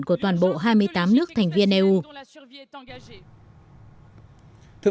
của toàn bộ hai mươi tám nước thành viên eu